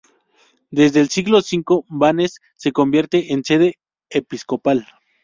Desde el siglo V Vannes se convierte en sede episcopal.